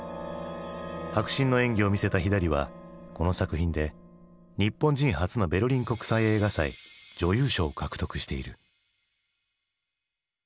迫真の演技を見せた左はこの作品で日本人初のベルリン国際映画祭女優賞を獲得している。